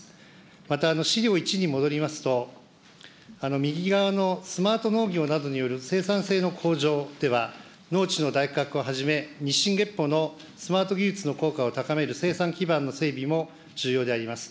また、資料１に戻りますと、右側のスマート農業などによる生産性の向上では、農地のをはじめ、日進月歩のスマート技術の効果を高める生産基盤の整備も重要であります。